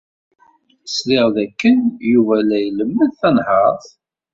Sliɣ dakken Yuba la ilemmed tanhaṛt.